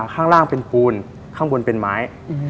ข้างล่างเป็นปูนข้างบนเป็นไม้